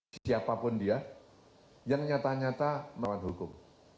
siapapun dia yang nyata nyata melawan hukum